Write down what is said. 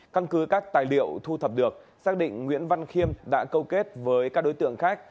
căn cứ các tài liệu thu thập được xác định nguyễn văn khiêm đã câu kết với các đối tượng khác